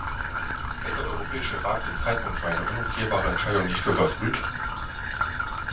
Hält der Europäische Rat den Zeitpunkt für eine unumkehrbare Entscheidung nicht für verfrüht?